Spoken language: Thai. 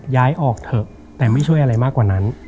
ย้ายออกเถอะแต่ไม่ช่วยอะไรมากกว่านั้น